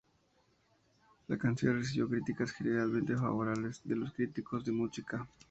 La canción recibió críticas generalmente favorables de los críticos de música.